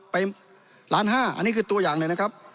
ไปล้านห้าอันนี้คือตัวอย่างเลยนะครับ